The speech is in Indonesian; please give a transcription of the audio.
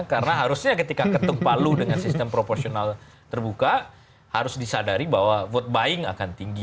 karena harusnya ketika ketuk palu dengan sistem proporsional terbuka harus disadari bahwa vote buying akan tinggi